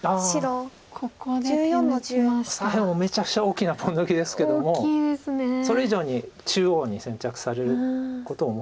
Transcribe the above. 左辺もめちゃくちゃ大きなポン抜きですけどもそれ以上に中央に先着されることを。